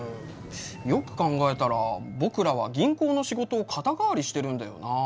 よく考えたら僕らは銀行の仕事を肩代わりしてるんだよなあ。